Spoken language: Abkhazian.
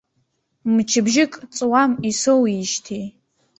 Мчыбжьык ҵуам исоуижьҭеи.